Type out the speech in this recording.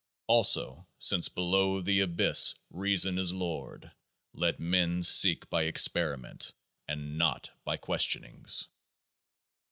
Also, since below the Abyss Reason is Lord, let men seek by experiment, and not by Questionings.